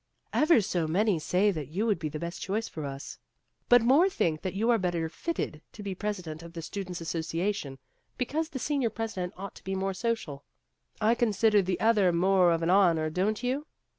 Ever so many say that you would be the best choice for us. But more think that you are better fitted to be president of the Students' Association, because the senior president ought to be more social. I consider the other more of an honor, don't you